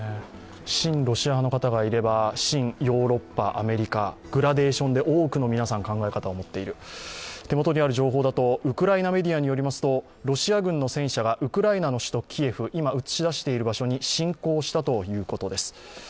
親ロシア派の方がいれば、親ヨーロッパ、アメリカ、グラデーションで多くの考え方を持っている、手元にある情報だと、ウクライナメディアによりますとロシア軍の戦車がウクライナの首都キエフ、今映し出している場所に侵攻したということです。